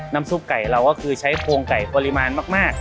ซุปไก่เราก็คือใช้โครงไก่ปริมาณมาก